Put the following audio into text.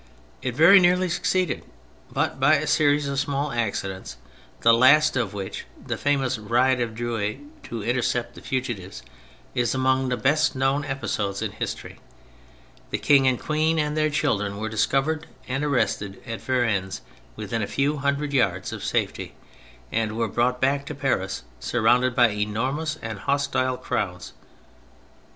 It very nearly succeeded, but by a series of small accidents, the last of which, the famous ride of Drouet to in tercept the fugitives, is among the best known episodes in history, the King and Queen and their children were discovered and arrested at Varennes, within a few hundred yards of safety, and were brought back to Paris, surrounded by enormous and hostile crowds.